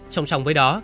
song song với đó